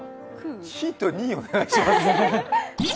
ヒント２をお願いします。